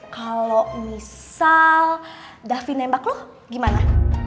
kalau misal davin nembak lo gimana